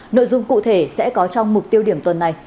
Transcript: nội dung cụ thể sẽ có trong mục tiêu điểm tuần này